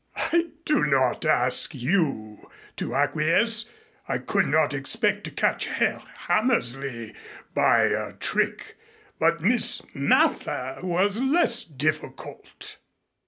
"I do not ask you to acquiesce. I could not expect to catch Herr Hammersley by a trick. But Miss Mather was less difficult."